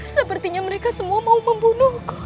sepertinya mereka semua mau membunuh